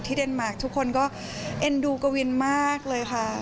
เดนมาร์คทุกคนก็เอ็นดูกวินมากเลยค่ะ